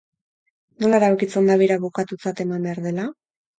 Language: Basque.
Nola erabakitzen da bira bukatutzat eman behar dela?